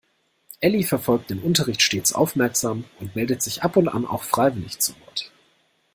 Elli verfolgt den Unterricht stets aufmerksam und meldet sich ab und an auch freiwillig zu Wort.